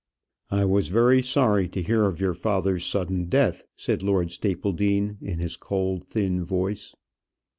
"I was very sorry to hear of your father's sudden death," said Lord Stapledean, in his cold, thin voice.